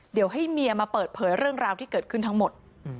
เดี๋ยวให้เมียมาเปิดเผยเรื่องราวที่เกิดขึ้นทั้งหมด